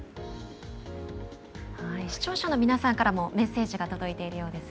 視聴者の皆さんからもメッセージが届いているようです。